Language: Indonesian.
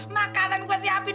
makanan gua siapin